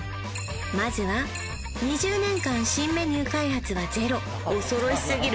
まずは２０年間新メニュー開発はゼロ恐ろしすぎる